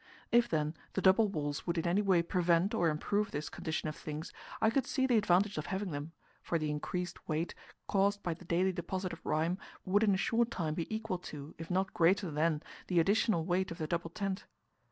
If, then, the double walls would in any way prevent or improve this condition of things, I could see the advantage of having them; for the increased weight caused by the daily deposit of rime would in a short time be equal to, if not greater than, the additional weight of the double tent.